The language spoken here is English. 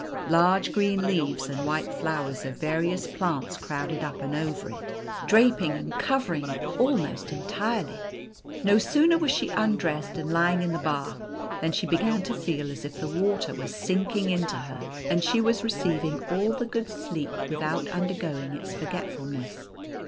Large green leaves and white flowers of various plants crowded up over it, draping and cover ing it almost entirely. No sooner was she undressed and lying in the bath, than she began to feel as if the water were sinking into her, and she were receiving all the good of sleep with out undergoing its forgetfulness.